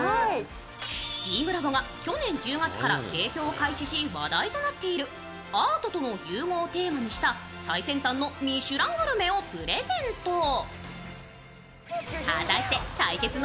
チームラボが去年１０月から提供を開始し、話題となっているアートとの融合をテーマとした最先端のミシュラングルメをプレゼント。